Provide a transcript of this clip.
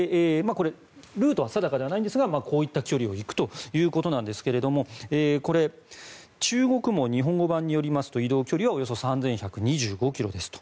ルートは定かではないんですがこういった距離を行くということですが中国網日本版によりますと移動距離はおよそ３５００ｋｍほどだと。